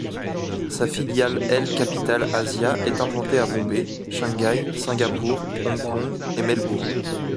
Sa filiale L Capital Asia est implanté à Bombay, Shanghai, Singapour, Hong-Kong et Melbourne.